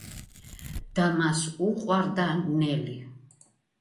და მას უყვარდა ნელი